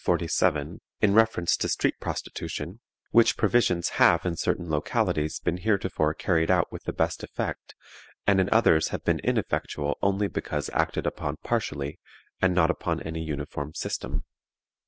47, in reference to street prostitution, which provisions have in certain localities been heretofore carried out with the best effect, and in others have been ineffectual only because acted upon partially, and not upon any uniform system.